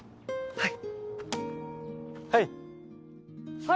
はい。